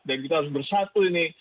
dan kita harus bersatu ini